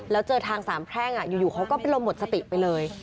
แล้วเจอทางสามแพร่งอยู่เขาก็เป็นลมหมดสติไปเลย